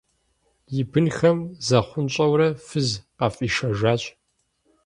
И бынхэм захъунщӏэурэ фыз къафӏишэжащ.